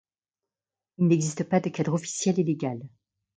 Il n’existe pas de cadre officiel et légal.